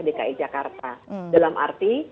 dki jakarta dalam arti